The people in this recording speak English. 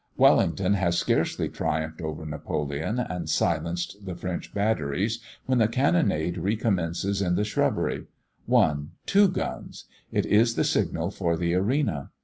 Wellington has scarcely triumphed over Napoleon, and silenced the French batteries, when the cannonade recommences in the shrubbery: one two guns! it is the signal for the arena.